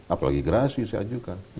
apalagi gerasi saya ajukan